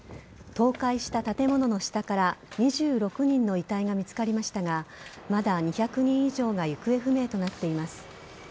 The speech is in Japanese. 倒壊した建物の下から２６人の遺体が見つかりましたがまだ２００人以上が行方不明となっています。